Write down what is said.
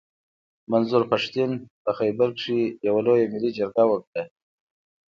منظور پښتين په خېبر کښي يوه لويه ملي جرګه وکړه.